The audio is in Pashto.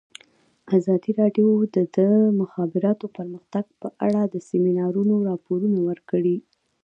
ازادي راډیو د د مخابراتو پرمختګ په اړه د سیمینارونو راپورونه ورکړي.